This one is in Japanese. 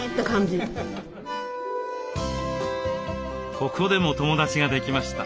ここでも友だちができました。